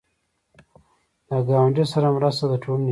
د ګاونډي سره مرسته د ټولنې اصلاح ده